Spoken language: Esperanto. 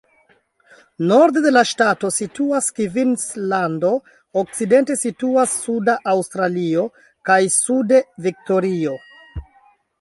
Norde de la ŝtato situas Kvinslando, okcidente situas Suda Aŭstralio, kaj sude Viktorio.